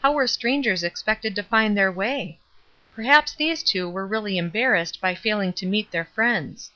How were strangers expected to find their way? Perhaps these two were 402 ESTER RIED'S NAMESAKE really embarrassed by failing to meet their friends.